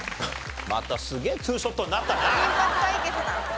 またすげえ２ショットになったな。